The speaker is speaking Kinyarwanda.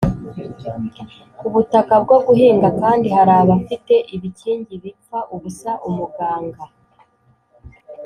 ubutaka bwo guhinga kandi hari abafite ibikingi bipfa ubusa, umuganga